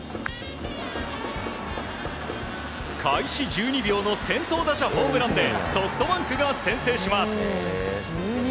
開始１２秒の先頭打者ホームランでソフトバンクが先制します。